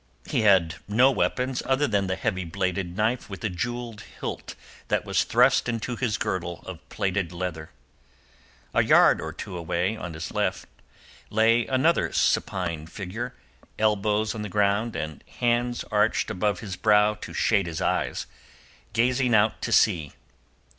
He had no weapons other than the heavy bladed knife with a jewelled hilt that was thrust into his girdle of plaited leather. A yard or two away on his left lay another supine figure, elbows on the ground, and hands arched above his brow to shade his eyes, gazing out to sea.